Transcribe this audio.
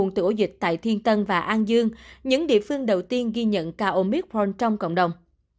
tổng cộng tử vong tổ dịch tại thiên tân và an dương những địa phương đầu tiên ghi nhận ca omicron trong cộng đồng